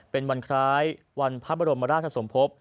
เป็นวันคล้ายวันพระบรมราชสมภพ